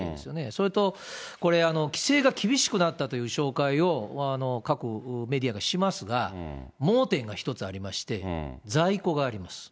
それとこれ、規制が厳しくなったという紹介を各メディアがしますが、盲点が一つありまして、在庫があります。